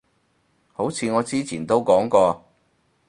好似我之前都講過